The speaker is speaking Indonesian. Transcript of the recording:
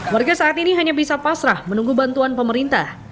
warga saat ini hanya bisa pasrah menunggu bantuan pemerintah